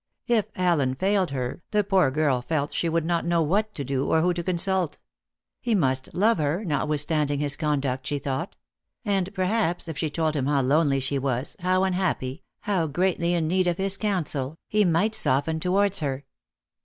If Allen failed her, the poor girl felt she would not know what to do, or who to consult. He must love her, notwithstanding his conduct, she thought; and perhaps if she told him how lonely she was, how unhappy, how greatly in need of his counsel, he might soften towards her.